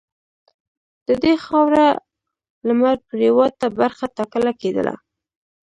د دې خاورې لمرپرېواته برخه ټاکله کېدله.